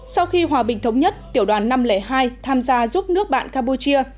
sau khi hòa bình thống nhất tiểu đoàn năm trăm linh hai tham gia giúp nước bạn campuchia